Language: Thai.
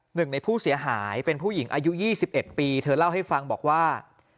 หนึ่งในผู้เสียหายเป็นผู้หญิงอายุ๒๑ปีเธอเล่าให้ฟังบอกว่า